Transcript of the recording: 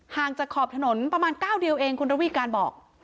จากขอบถนนประมาณ๙เดียวเองคุณระวีการบอก